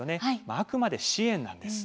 あくまで支援なんです。